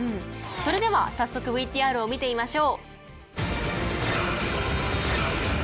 それでは早速ＶＴＲを見てみましょう。